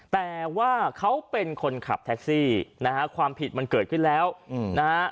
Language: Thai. แต่ว่าเขาเป็นคนขับแท็กซี่นะฮะความผิดมันเกิดขึ้นแล้วนะฮะ